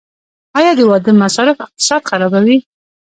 آیا د واده مصارف اقتصاد خرابوي؟